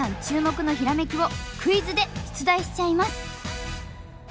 注目のヒラメキをクイズで出題しちゃいます。